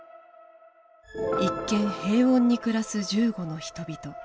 一見平穏に暮らす銃後の人々。